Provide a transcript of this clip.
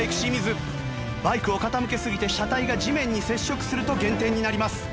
バイクを傾けすぎて車体が地面に接触すると減点になります。